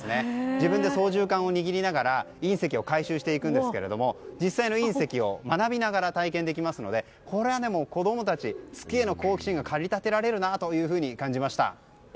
自分で操縦かんを握りながら隕石を回収していくんですが実際の隕石を学びながら体験できますのでこれは子供たち、月への好奇心が駆り立てられるなと感じました。